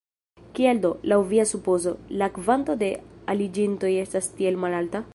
Kial do, laŭ via supozo, la kvanto de aliĝintoj estas tiel malalta?